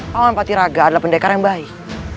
pak man pakir raga adalah pendekar yang baik